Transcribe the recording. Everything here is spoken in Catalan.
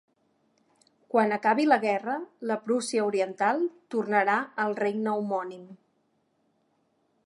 Quan acabi la guerra la Prússia Oriental tornarà al regne homònim.